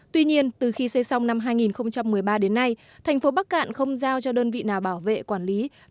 tuy nhiên từ khi xây xong năm hai nghìn một mươi ba đến nay thành phố bắc cạn không giao cho đơn vị nào bảo vệ quản lý